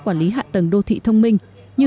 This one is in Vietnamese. quản lý hạ tầng đô thị thông minh như